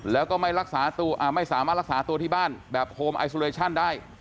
แล้วก็ไม่สามารถรักษาตัวที่บ้านแบบโฮมไอซูเรชั่นได้